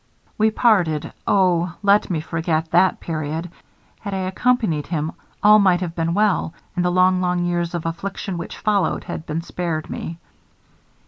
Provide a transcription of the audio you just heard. We parted O! let me forget that period! Had I accompanied him, all might have been well; and the long, long years of affliction which followed had been spared me.'